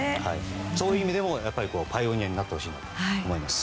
そういう意味でもパイオニアになってほしいなと思います。